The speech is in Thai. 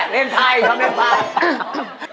เล่นไทยชอบเล่นภาพ